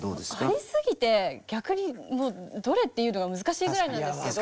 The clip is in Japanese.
ありすぎて逆にどれっていうのが難しいぐらいなんですけど。